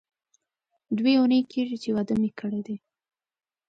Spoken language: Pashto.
دوې اونۍ کېږي چې واده مې کړی دی.